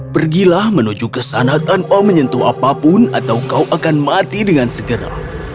pergilah menuju ke sana tanpa menyentuh apapun atau kau akan mati dengan segera